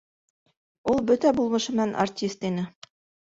Ул бөтә булмышы менән артист ине